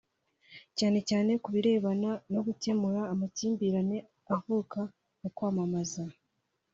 cyane cyane ku birebana no gukemura amakimbirane avuka mu kwamamaza